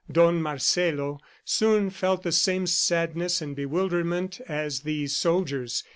Don Marcelo soon felt the same sadness and bewilderment as these soldiers.